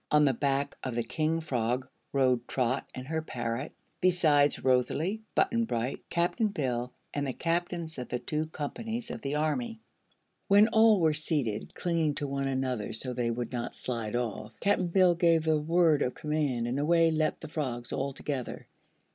On the back of the King Frog rode Trot and her parrot, besides Rosalie, Button Bright, Cap'n Bill and the captains of the two companies of the army. When all were seated, clinging to one another so they would not slide off, Cap'n Bill gave the word of command and away leaped the frogs, all together.